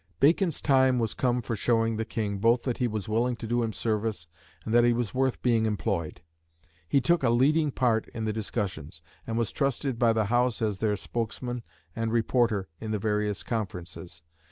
Bacon's time was come for showing the King both that he was willing to do him service, and that he was worth being employed. He took a leading part in the discussions, and was trusted by the House as their spokesman and reporter in the various conferences.